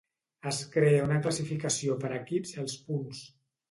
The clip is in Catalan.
Es crea una classificació per equips als punts.